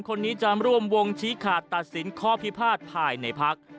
คนนี้จะร่วมวงชี้ขาดตัดสินข้อพิพาทภายในพัก